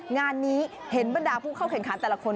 งานนี้เห็นบรรดาผู้เข้าแข่งขันแต่ละคน